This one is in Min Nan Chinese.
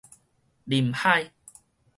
臨海